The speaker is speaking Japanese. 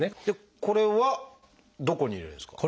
これはどこに入れるんですか？